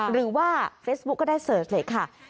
หรือว่าเฟซบุ๊กก็ได้เสิร์ชเลยค่ะ